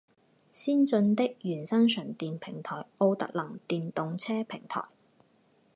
先进的原生纯电平台奥特能电动车平台